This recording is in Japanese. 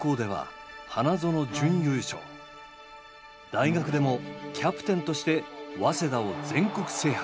大学でもキャプテンとして早稲田を全国制覇へ。